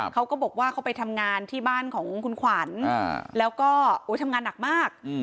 เขาก็บอกว่าเขาไปทำงานที่บ้านของคุณขวัญแล้วก็ทำงานหนักมาก